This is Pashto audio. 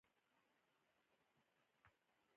ډیر خلګ داسي فکر کوي چي زه پر حق یم